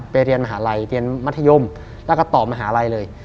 เรียนมหาลัยเรียนมัธยมแล้วก็ต่อมหาลัยเลย